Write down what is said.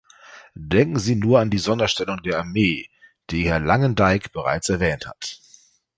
Denken Sie nur an die Sonderstellung der Armee, die Herr Lagendijk bereits erwähnt hat.